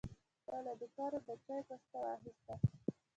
ما له دوکانه د چای بسته واخیسته.